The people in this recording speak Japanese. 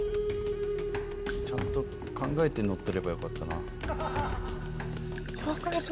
ちゃんと考えて乗ってればよかったな。